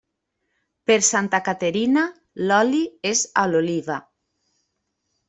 Per Santa Caterina, l'oli és a l'oliva.